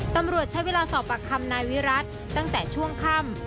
ตำรวจใช้เวลาสอบปากคำนายวิรัติตั้งแต่ช่วงค่ำ